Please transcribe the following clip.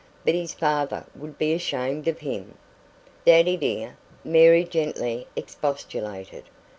But his father would be ashamed of him." "Daddy dear!" Mary gently expostulated.